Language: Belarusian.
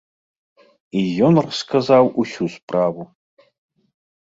І ён расказаў усю справу.